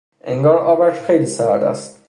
انگار آبش خیلی سرد است!